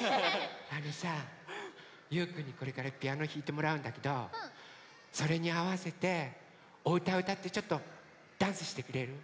あのさゆうくんにこれからピアノひいてもらうんだけどそれにあわせておうたうたってちょっとダンスしてくれる？